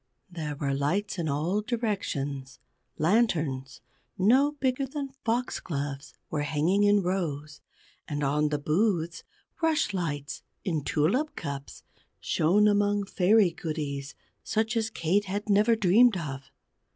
There were lights in all directions lanterns no bigger than Foxgloves were hanging in rows; and on the booths, rushlights in tulip cups shone among Fairy goodies such as Kate had never dreamed of.